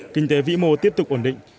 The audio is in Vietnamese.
kinh tế vĩ mô tiếp tục ổn định